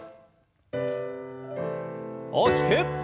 大きく。